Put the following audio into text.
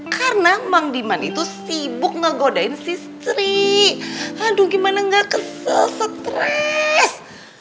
karena mang diman itu sibuk ngegodain sisri aduh gimana gak kesel stres